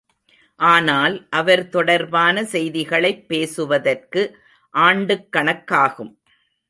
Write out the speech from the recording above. ஆனால் அவர் தொடர்பான செய்திகளைப் பேசுவதற்கு ஆண்டுக் கணக்காகும்.